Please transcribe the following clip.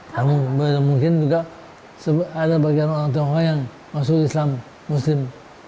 namun mungkin juga ada bagian orang tionghoa yang masuk islam muslim